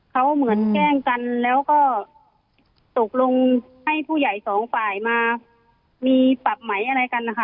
เขาเหมือนแกล้งกันแล้วก็ตกลงให้ผู้ใหญ่สองฝ่ายมามีปรับไหมอะไรกันนะคะ